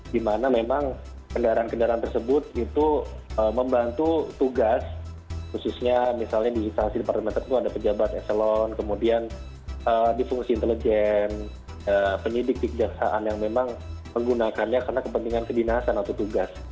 di mana memang kendaraan kendaraan tersebut itu membantu tugas khususnya misalnya di sanksi departemen itu ada pejabat eselon kemudian di fungsi intelijen penyidik kejaksaan yang memang menggunakannya karena kepentingan kedinasan atau tugas